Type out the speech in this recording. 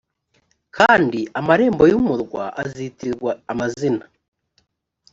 kandi amarembo y umurwa azitirirwa amazina